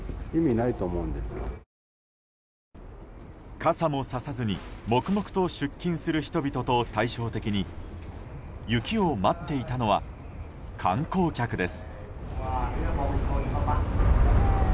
傘もささずに、黙々と出勤する人々と対照的に雪を待っていたのは観光客です。